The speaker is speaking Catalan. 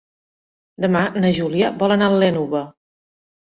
Demà na Júlia vol anar a l'Énova.